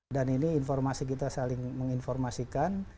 dan ini informasi kita saling menginformasikan